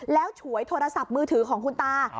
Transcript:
แล้วฉวยโทรศัพท์มือถือของคุณตา